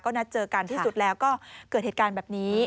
นัดเจอกันที่สุดแล้วก็เกิดเหตุการณ์แบบนี้